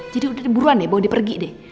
jadi udah di buruan deh bawa dia pergi deh